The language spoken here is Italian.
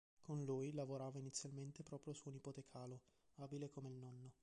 Con lui lavorava inizialmente proprio suo nipote Calo, abile come il nonno.